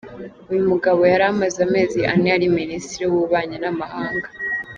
Uyu mugabo yari amaze amezi ane ari Minisitiri w’Ububanyi n’amahanga.